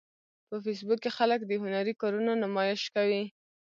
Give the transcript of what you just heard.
په فېسبوک کې خلک د هنري کارونو نمایش کوي